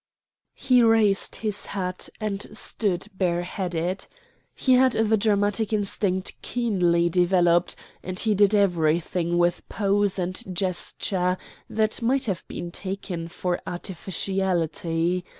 He raised his hat and stood bare headed. He had the dramatic instinct keenly developed, and he did everything with pose and gesture that might have been taken for artificiality.